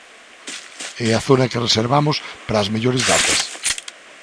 É a zona que reservamos para as mellores datas.